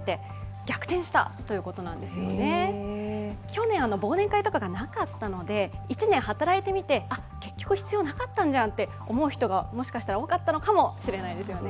去年、忘年会とかがなかったので１年働いてみて、結局必要なかったんじゃんって思う人がもしかしたら多かったのかもしれないですよね。